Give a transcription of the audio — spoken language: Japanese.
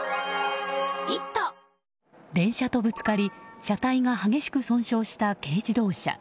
電車とぶつかり車体が激しく損傷した軽自動車。